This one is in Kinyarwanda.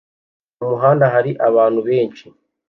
Mu muhanda hari abantu benshi